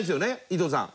伊藤さん。